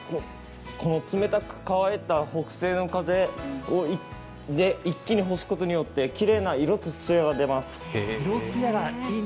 この冷たく乾いた北西の風で一気に干すことによってきれいな色と艶が出ます。